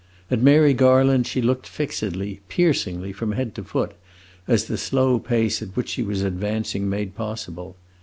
At Mary Garland she looked fixedly, piercingly, from head to foot, as the slow pace at which she was advancing made possible.